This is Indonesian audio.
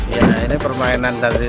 ya ini permainan tadi